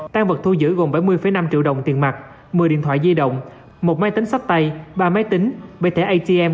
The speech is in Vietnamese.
tăng vật thu giữ gồm bảy mươi năm triệu đồng tiền mặt một mươi điện thoại di động một máy tính sắp tay ba máy tính bảy thẻ atm